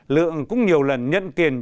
lượng cũng nhiều lần nhận tiền